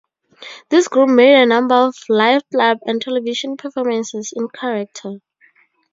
This group made a number of live club and television performances in character.